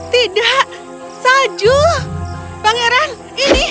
tidak salju pangeran ini